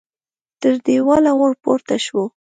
تر دېواله ور پورته شو.